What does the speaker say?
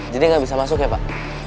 jadi gak bisa masuk ya pak